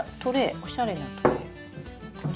おしゃれなトレー。